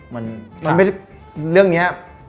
มันไม่ได้เรื่องนี้